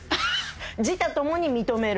自他共に認める？